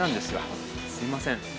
すいません。